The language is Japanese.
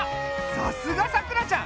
さすがさくらちゃん！